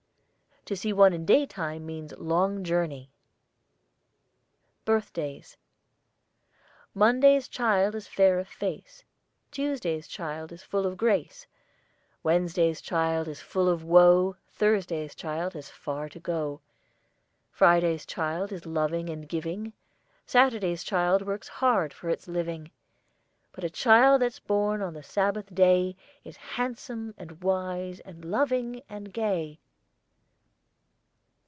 To see one in day time means long journey. BIRTHDAYS. "Monday's child is fair of face, Tuesday's child is full of grace, Wednesday's child is full of woe, Thursday's child has far to go, Friday's child is loving and giving, Saturday's child works hard for its living; But a child that's born on the Sabbath day Is handsome and wise and loving and gay."